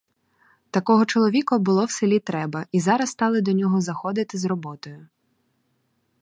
Такого чоловіка було в селі треба і зараз стали до нього заходити з роботою.